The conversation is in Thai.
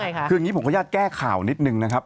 ใช่ค่ะคืออย่างนี้ผมขออนุญาตแก้ข่าวนิดนึงนะครับ